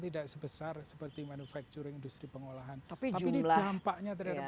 tidak sebesar seperti manufacturing industri pengolahan tapi ini dampaknya terhadap